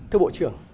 thưa bộ trưởng